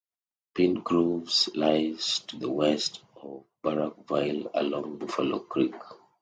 Pine Groves lies to the west of Barrackville along Buffalo Creek.